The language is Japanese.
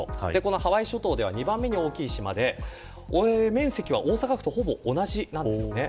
ハワイ諸島では２番目に大きい島で面積は大阪府とほぼ同じなんですよね。